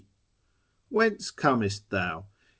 Whence comest thou